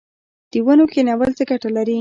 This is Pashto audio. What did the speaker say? د ونو کینول څه ګټه لري؟